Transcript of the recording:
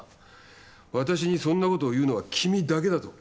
私にそんなことを言うのは君だけだぞ。